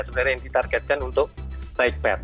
sebenarnya yang ditargetkan untuk bike path